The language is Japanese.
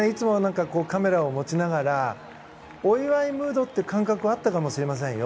カメラを持ちながらお祝いムードっていう感覚はあったかもしれませんよ。